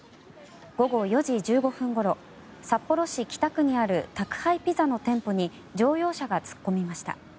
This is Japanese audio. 午後４時１５分ごろ札幌市北区にある宅配ピザの店舗に乗用車が突っ込みました。